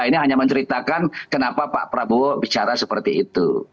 ini hanya menceritakan kenapa pak prabowo bicara seperti itu